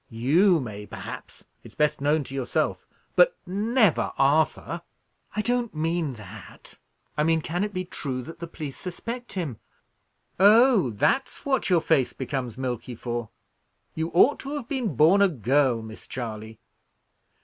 You may, perhaps it's best known to yourself but never Arthur." "I don't mean that. I mean, can it be true that the police suspect him?" "Oh! that's what your face becomes milky for? You ought to have been born a girl, Miss Charley.